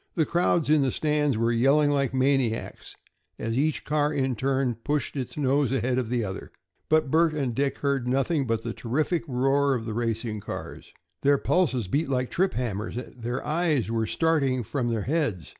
The crowds in the stands were yelling like maniacs, as each car in turn pushed its nose ahead of the other. But Bert and Dick heard nothing but the terrific roar of the racing cars. Their pulses beat like trip hammers; their eyes were starting from their heads.